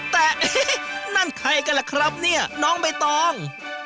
แต่เอ๊ะนั่นใครกันล่ะครับเนี่ยน้องใบตอง